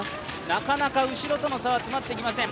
なかなか後ろとの差は詰まってきません。